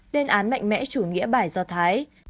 tên án mạnh mẽ chủ nghĩa bài do thái